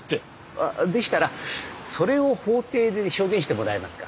あっでしたらそれを法廷で証言してもらえますか？